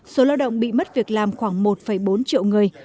số lao động bị mất việc làm khoảng một bốn triệu người